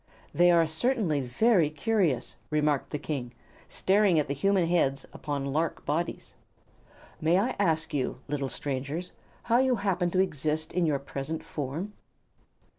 "They are certainly very curious," remarked the King, staring at the human heads upon the lark bodies. "May I ask you, little strangers, how you happen to exist in your present form?"